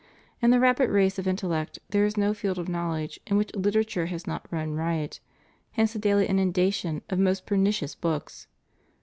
In the rapid race of intellect, there is no field of knowledge in which literature has not run riot, hence the daily inundation of most per nicious books.